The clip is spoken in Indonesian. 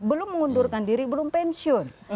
belum mengundurkan diri belum pensiun